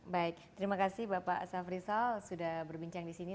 baik terima kasih bapak safri sal sudah berbincang di sini